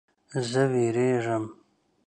زه ویریږم